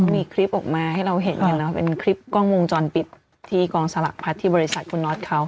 มีคลิปออกมาให้เราเห็นกันนะเป็นคลิปกล้องวงจรปิดที่กองสลักพัดที่บริษัทคุณน็อตเขา